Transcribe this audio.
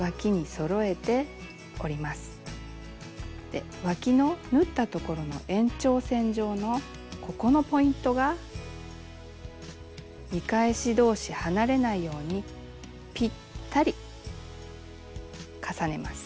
でわきの縫ったところの延長線上のここのポイントが見返し同士離れないようにぴったり重ねます。